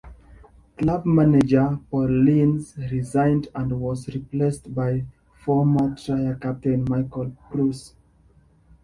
Club manager Paul Linz resigned and was replaced by former "Trier" Captain Micheal Prus.